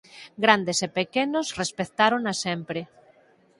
Grandes e pequenos respectárona sempre.